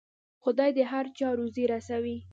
خدای د هر چا روزي رسوي.